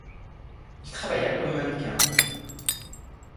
Il travailla comme mannequin.